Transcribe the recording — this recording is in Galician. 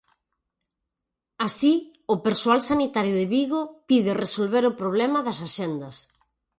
Así o persoal sanitario de Vigo pide resolver o problema das axendas.